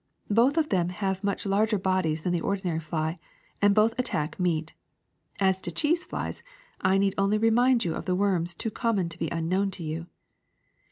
Both of them have much larger bodies than the ordinary fly, and both attack meat. As to cheese flies, I need only remind you of the worms too common to be unknoA\Ti to you.